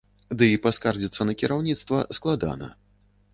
Дый паскардзіцца на кіраўніцтва складана.